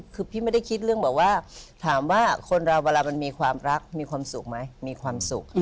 คือพี่ไม่ได้คิดเรื่องแบบว่าถามว่าคนเราเวลามันมีความรักมีความสุขไหมมีความสุข